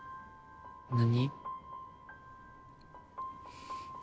何？